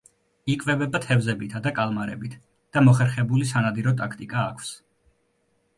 იკვებება თევზებითა და კალმარებით და მოხერხებული სანადირო ტაქტიკა აქვს.